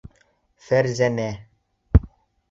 Фәрзәнә!..